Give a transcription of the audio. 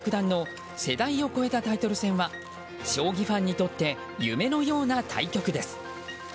善治九段の世代を超えたタイトル戦は将棋ファンにとって夢のような対局です。